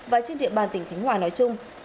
và trên địa bàn tỉnh khánh hòa nói chung